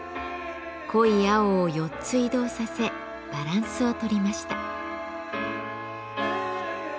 濃い青を４つ移動させバランスを取りました。